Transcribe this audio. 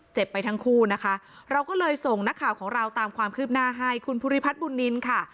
ไปทั้งคู่นะคะเราก็เลยส่งนักข่าวของเราตามความคืบหน้าให้คุณภูริพัฒน์บุญนินค่ะ